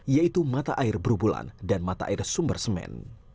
yaitu mata air berubulan dan mata air sumber semen